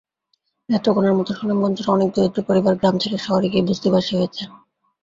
নেত্রকোনার মতো সুনামগঞ্জেরও অনেক দরিদ্র পরিবার গ্রাম ছেড়ে শহরে গিয়ে বস্তিবাসী হয়েছে।